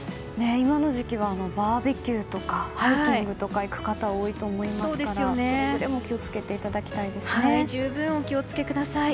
今の時期はバーベキューとかハイキングとか行く方が多いと思いますからくれぐれも十分お気を付けください。